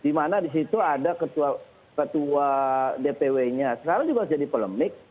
di mana di situ ada ketua dpw nya sekarang juga jadi polemik